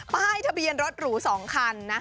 ป้ายทะเบียนรถหรู๒คันนะ